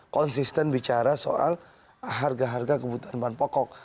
konsisten bicara soal harga harga kebutuhan bahan pokok